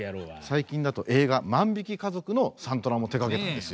最近だと映画「万引き家族」のサントラも手がけたんですよ。